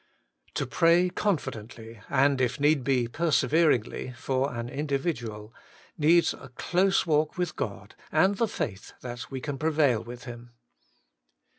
1. To pray Thee confidently, and, if need be, perseveringly, for an individual, needs a close walk with God, and the faith that we can prevail with Him.